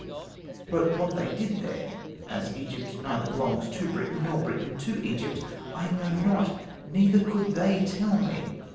But what they did there (as Egypt neither belongs to Britain nor Britain to Egypt) I know not, neither could they tell me.